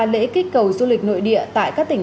lễ kích cầu du lịch nội địa tại các tỉnh